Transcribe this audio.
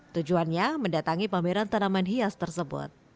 tujuannya mendatangi pameran tanaman hias tersebut